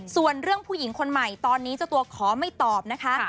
ส่วนเรื่องผู้หญิงคนใหม่ตอนนี้เจ้าตัวขอไม่ตอบนะคะ